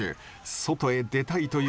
外へ出たいという思い。